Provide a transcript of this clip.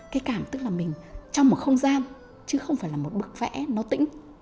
cái cảm tức là mình trong một không gian chứ không phải là một bức vẽ nó tĩnh